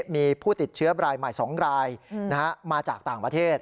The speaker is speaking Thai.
มีผู้ติดเชื้อรายใหม่๒รายมาจากต่างประเทศ